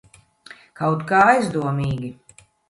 Kaut kā aizdomīgi.